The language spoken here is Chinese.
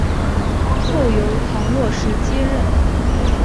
后由唐若时接任。